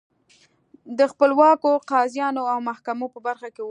د خپلواکو قاضیانو او محاکمو په برخه کې وو